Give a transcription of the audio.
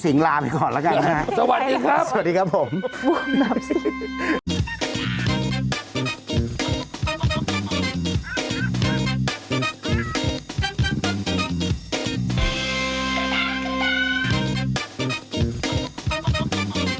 อืม